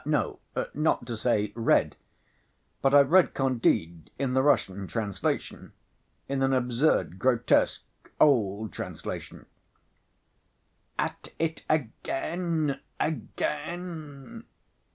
"No, not to say read.... But I've read Candide in the Russian translation ... in an absurd, grotesque, old translation ... (At it again! again!)"